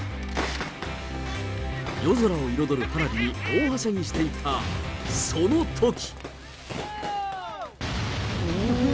夜空を彩る花火に大はしゃぎしていたそのとき。